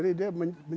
kita tidak dapatkan